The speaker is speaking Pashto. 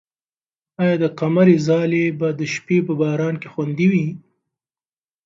آیا د قمرۍ ځالۍ به د شپې په باران کې خوندي وي؟